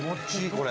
これ。